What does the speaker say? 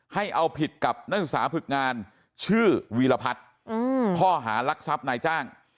ให้เอาผิดกับนักศึกษาฝึกงานชื่อวีรพัฒน์ข้อหารักทรัพย์นายจ้าง